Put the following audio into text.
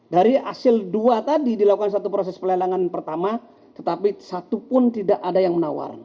dari hasil dua tadi dilakukan satu proses pelelangan pertama tetapi satu pun tidak ada yang menawar